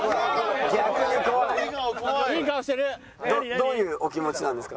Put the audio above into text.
どういうお気持ちなんですか？